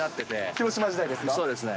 広島時代ですか？